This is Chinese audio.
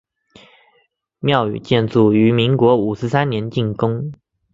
庙宇建筑于民国五十三年竣工。